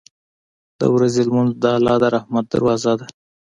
• د ورځې لمونځ د الله د رحمت دروازه ده.